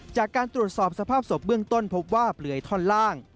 จากการตรวจสอบสภาพศพเบื้องต้นพบว่าเปลือยท่อนล่าง